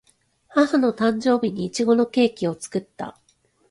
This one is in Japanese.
母の誕生日にいちごのケーキを作った